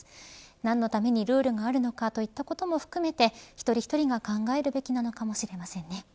何のためにルールがあるのかといったことも含めて一人一人が考えるべきなのかもしれませんね。